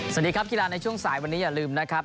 สวัสดีครับกีฬาในช่วงสายวันนี้อย่าลืมนะครับ